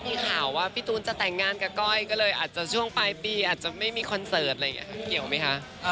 มีข่าวว่าพี่ตูนจะแต่งงานกับก้อยก็เลยอาจจะช่วงปลายปีอาจจะไม่มีคอนเสิร์ตอะไรอย่างนี้ค่ะเกี่ยวไหมคะ